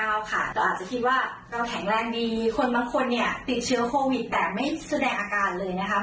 เราค่ะเราอาจจะคิดว่าเราแข็งแรงดีคนบางคนเนี่ยติดเชื้อโควิดแต่ไม่แสดงอาการเลยนะคะ